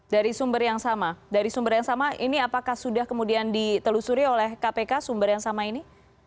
dari sumber yang sama dari sumber yang sama ini apakah sudah kemudian ditelusuri oleh kpk sumber yang sama ini